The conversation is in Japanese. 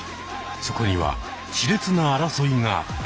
そこには熾烈な争いがあった。